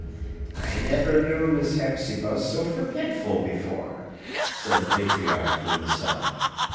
"I never knew Miss Hepzibah so forgetful before," said the patriarch to himself.